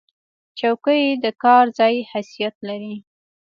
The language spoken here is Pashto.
چوکۍ د کار ځای حیثیت لري.